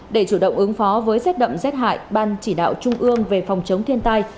để chủ động ứng phó với rét đậm rét hại ban chỉ đạo trung ương về phòng chống thiên tai